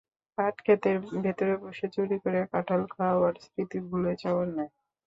পাটখেতের ভেতরে বসে চুরি করে কাঁঠাল খাওয়ার স্মৃতি ভুলে যাওয়ার নয়।